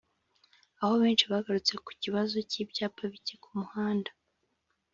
aho benshi bagarutse ku kibazo cy’ibyapa bike ku mihanda